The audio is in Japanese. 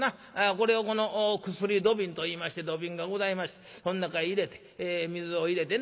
これをこの薬土瓶といいまして土瓶がございましてそん中へ入れて水を入れてね